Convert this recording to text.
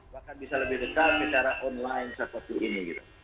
bahkan bisa lebih dekat secara online seperti ini